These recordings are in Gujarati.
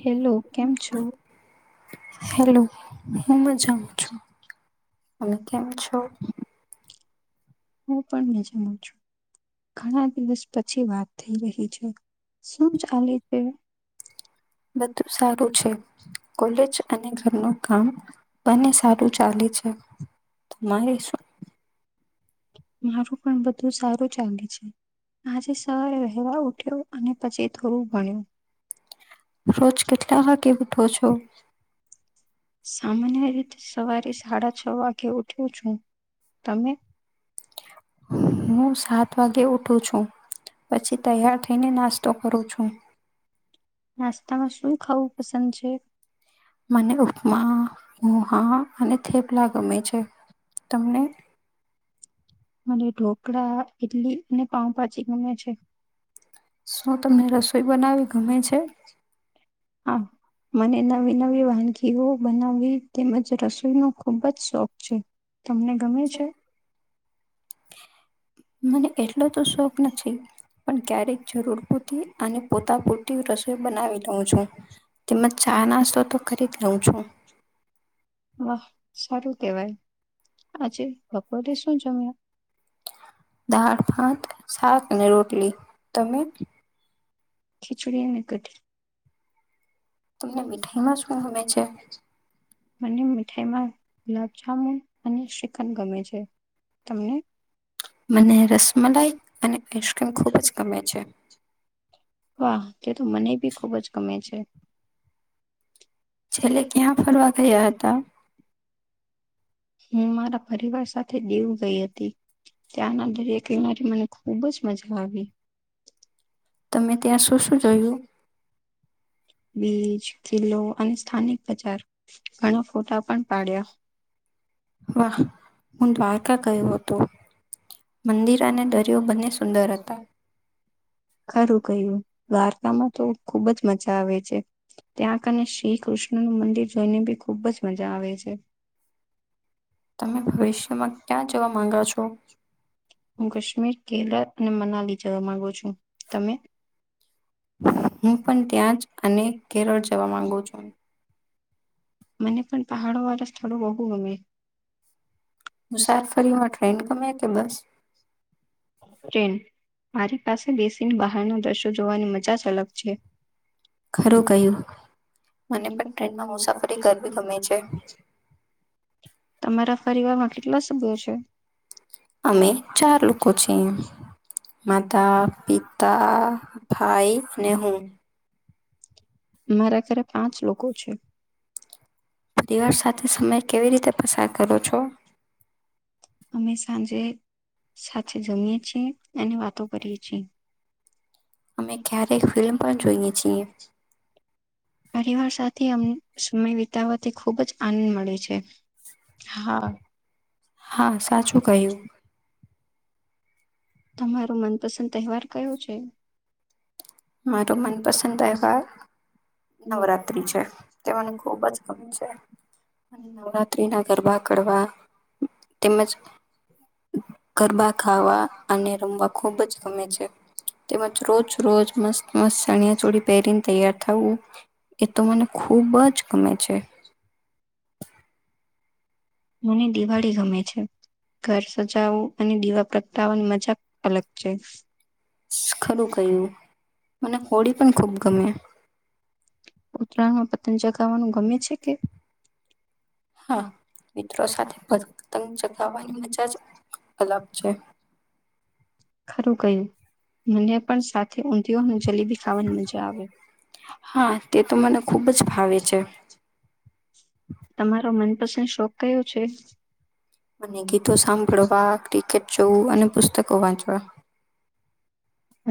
હેલો કેમ છો? હેલો હું મજા છું. તમે કેમ છો? હું પણ મજામાં છું. ઘણા દિવસ પછી વાત થઈ રહી છે. શું ચાલે છે. બધું સારું છે કોલેજ અને ઘરનું કામ બંને સારું ચાલે છે. તમારે શું? મારું પણ બધું સારું ચાલે છે. આજે સવારે વહેલા ઉઠ્યો અને પછી થોડું ભણ્યું રોજ કેટલા વાગે ઉઠો છો? સામાન્ય રીતે સવારે સાડા છ વાગે ઉઠ્યો છું. તમે? હું સાત વાગે ઉઠું છું પછી તૈયાર થઈને નાસ્તો કરું છું. નાસ્તામાં શું ખાવું પસંદ છે? મને ઉપમા પઆ અને થેપલા ગમે છે. તમને? મને ઢોકળા ઈડલી અને પાઉભાજી ગમે છે. શું તમને રસોઈ બનાવી ગમે છે? હા. મને નવી નવી વાનગીઓ બનાવવી તેમજ રસોઈનો ખૂબ જ શોખ છે. તમને ગમે છે? મને એટલો તો શોખ નથી. પણ ક્યારેક જરૂર પતી અને પોતા પૂરતી રસોઈ બનાવી દઉં છું. તેમજ ચા નાસ્તો તો કરી જ લઉં છું. વાહ સારું કેવાય આજે બગોરે શું જમ્યા? દાળ ભાત શાક અને રોટલી. તમે? ખિચડી ને કઢી. તમને મીઠાઈ માં શું ગમે છે? મને મીઠાઈમાં ગુલાબજામુન અને શ્રીખંડ ગમે છે. તમને? મને રસમલાઈ અને આઈસ્ક્રીમ ખૂબ જ ગમે છે. વાહ તે તો મને ભી ખુબ જ ગમે છે. છેલ્લે ક્યાં ફરવા હતા? હું મારા પરિવાર સાથે દીવ ગઈ હતી. ત્યાંના દર એક લિના મને ખુબ જ મજા આવી. તમે ત્યાં શું શું જોયું? બીચ કિલ્લો અને સ્થાનિક બજાર ઘણા ફોટા પણ પાડ્યા. વાહ હું દ્વારકા ગયો હતો. મંદિર અને દરિયો બંને સુંદર હતા. ખરું કહ્યું વાર્તામાં તો ખુબ જ મજા આવે છે. ત્યાં કને શ્રી કૃષ્ણ નું મંદિર જોઈને બી ખુબ જ મજા આવે છે. [unintelligible] તમે ભવિષ્યમાં ક્યાં જવા માંગો છો. હું કશ્મીર કેરળ અને મનાલી જવા માંગુ છું તમે? હું પણ ત્યાં જ અને કેરળ જવા માંગુ છું. મને પણ પહાડોવાળા સ્થળો બોવ ગમે. મુસાારફરીમાં ટ્રેન ગમે કે બસ? [inaudible] ટ્રેન મારી પાસે દેશોને બહારના દ્રશ્યો જોવાની મજા જ અલગ છે. ખરું કહ્યું મને ટ્રેનમાં મુસાફરી કરવી ગમે છે. તમારા પરિવારમાં કેટલા સભ્યો છે? અમે ચાર લોકો છે. માતા-પિતા, ભાઈ ને હુ. મારા ઘરે પાંચ લોકો છે. પરિવાર સાથે સમય કેવી રીતે પસાર કરો છો? અમે સાંજે સાથે જમીએ છીએ અને વાતો કરીએ છીએ. અમે ક્યારેક ફિલ્મ પણ જોઈએ છીએ. પરિવાર સાથે અમે સમય વિતાવવાથી ખુબ જ આનંદ મળે છે. હા. હા, સાચું કહ્યું. તમારો મનપસંદ તહેવાર કયો છે? મારો મન પસંદ તહેવાર નવરાત્રી છે, તે મને ખુબ જ ગમે છે. અને નવરાત્રીના ગરબા કરવા તેમજ ગરબા ગાવા અને રમવા ખુબ જ ગમે છે. તેમજ રોજ-રોજ મસ્ત-મસ્ત ચણિયા ચોળ પહેરીને તૈયાર થવું, એ તો મને ખૂબ જ ગમે છે. મને દિવાળી ગમે છે. ઘર સજાવું અને દીવા પ્રગટાવવાની મજા અલગ છે. ખરું કહ્યું, મને કોળી પણ ખુબ ગમે. ઉત્તરાયણમાં પતંગ ચગાવવાનું ગમે છે કે? હા, મિત્રો સાથે પતંગ ચગાવવાની મજા જ અલગ છે. ખરું કહ્યું મને પણ સાથે ઊંધિઓનું જલેબી ખાવા ની મજા આવે. તમારો મનપસંદ શોક કયો છે? મને ગીતો સાંભળવા, ક્રિકેટ જોવું અને પુસ્તકો વાંચવા [inaudible]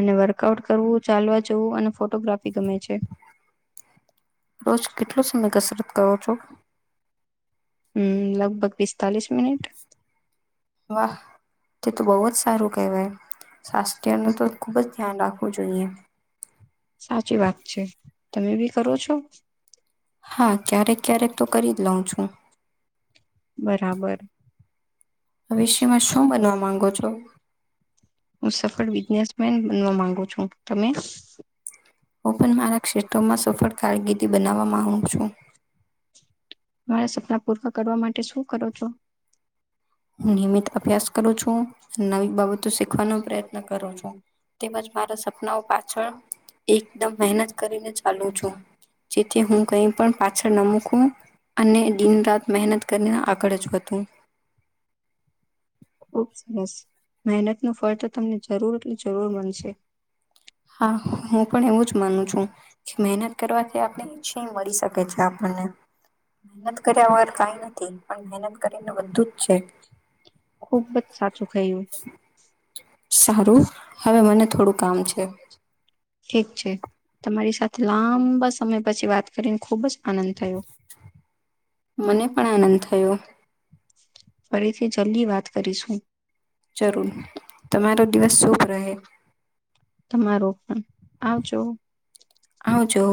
અને વર્કઆઉટ કરવું, ચાલવા જવું અને ફોટોગ્રાફી ગમે છે. રોજ કેટલો સમય કસરત કરો છો? હમ્મ, લગભગ પિસતાલીસ મિનિટ વાહ. તે તો બહુ જ સારું કહેવાય, સ્વાસ્થ્યનું તો ખુબ જ ધ્યાન રાખવું જોઈએ. સાચી વાત છે, તમે બી કરો છો? હા, ક્યારેક-ક્યારેક તો કરી જ લઉં છું. બરાબર. ભવિષ્યમાં શું બનવા માંગો છો? હું સફળ બિઝનેસ બનવા માંગુ છું. તમે? હું પણ મારા ક્ષેત્રોમાં સફળ કારગિર્દી બનાવવા માગું છું. તમારા સપના પૂરવા કરવા માટે શું કરો છો? હું નિયમિત અભ્યાસ કરું છું, નવી બાબતો શીખવાનો પ્રયત્ન કરું છું. તેમજ મારા સપનાઓ પાછળ એકદમ મહેનત કરીને ચાલુ છું. જેથી હું કઈ પણ પાછળ ન મૂકું અને દિન રાત મહેનત કરીને આગળ જ વધું. [inaudible] ખૂબ સરસ મહેનતનું ફળ તો તમને જરૂર થી જરૂર મળશે. હા હું પણ એવું જ માનું છું મેહનત કરવા શકે [inaudible] છે. હ ફ આવડ ટઉ છે હ ફ [inaudible] બધું જ છે ખુબ જ સાચું કયું. સારું હવે મને થોડું કામ છે. ઠીક છે તમારી સાથે લાંબા સમય પછી વાત કરીને ખુબ જ આનંદ થયો. મને પણ આનંદ થયો. ફરીથી જલ્દી વાત કરીશું. જરૂર તમારો દિવસ શુભ રહે. તમારો પણ આવજો આવજો.